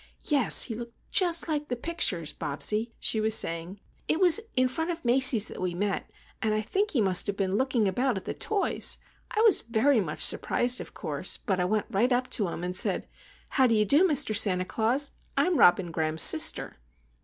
"Yes, he looked just like the pictures, Bobsie," she was saying. "It was in front of Macy's that we met, and I think he must have been looking about at the toys. I was very much surprised, of course; but I went right up to him, and said,—'How do you do, Mr. Santa Claus? I'm Robin Graham's sister.